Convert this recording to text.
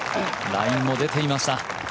ラインも出てきました。